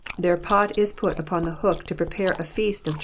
Tlieir pot is put upon the hook to prepare a feast of.